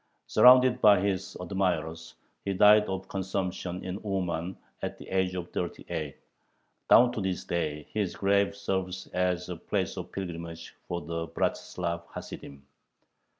Surrounded by his admirers, he died of consumption, in Uman, at the age of thirty eight. Down to this day his grave serves as a place of pilgrimage for the "Bratzlav Hasidim."